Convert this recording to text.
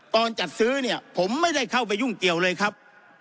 ตอนจัดซื้อเนี่ยผมไม่ได้เข้าไปยุ่งเกี่ยวเลยครับ